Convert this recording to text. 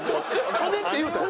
金って言うた。